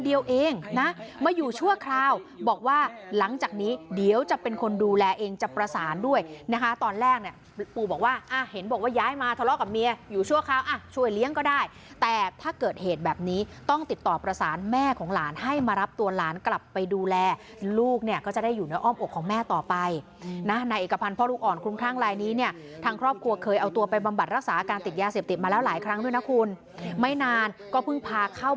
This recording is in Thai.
เดียวเองนะมาอยู่ชั่วคราวบอกว่าหลังจากนี้เดี๋ยวจะเป็นคนดูแลเองจะประสานด้วยนะคะตอนแรกเนี่ยปู่บอกว่าอ่ะเห็นบอกว่าย้ายมาทะเลาะกับเมียอยู่ชั่วคราวอ่ะช่วยเลี้ยงก็ได้แต่ถ้าเกิดเหตุแบบนี้ต้องติดต่อประสานแม่ของหลานให้มารับตัวหลานกลับไปดูแลลูกเนี่ยก็จะได้อยู่ในอ้อมอกของแม่ต่อไปนะในเอกพันธ์พ่อลูก